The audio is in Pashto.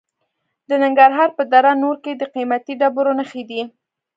د ننګرهار په دره نور کې د قیمتي ډبرو نښې دي.